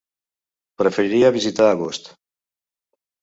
Preferiria visitar Agost.